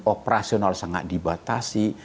operasional sangat dibatasi